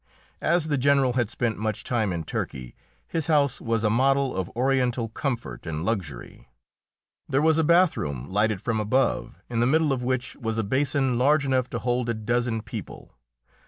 As the General had spent much time in Turkey, his house was a model of Oriental comfort and luxury. There was a bathroom lighted from above, in the middle of which was a basin large enough to hold a dozen people.